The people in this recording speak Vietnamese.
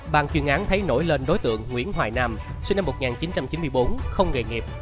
bàn chuyên án thấy nổi lên đối tượng nguyễn hoài nam sinh năm một nghìn chín trăm chín mươi bốn không nghề nghiệp